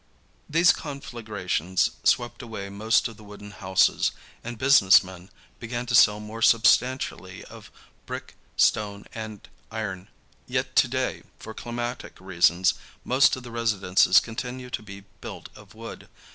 These conflagrations swept away most of the wooden houses, and business men began to build more substantially of brick, stone and iron. Yet to day, for climatic reasons, most of the residences continue to be built of wood.